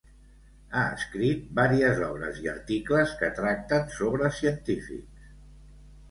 Ha escrit vàries obres i articles que tracten sobre científics.